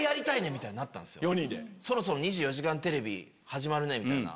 そろそろ『２４時間テレビ』始まるね！みたいな。